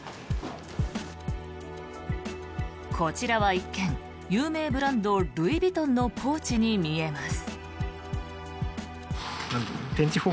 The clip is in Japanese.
こちらは一見、有名ブランドルイ・ヴィトンのポーチに見えます。